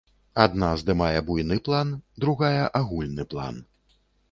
Адна здымае буйны план, другая агульны план.